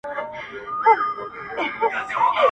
له نړۍ څخه يې بېل وه عادتونه.!